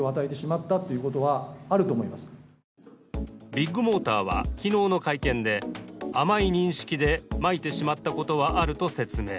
ビッグモーターは昨日の会見で甘い認識でまいてしまったことはあると説明。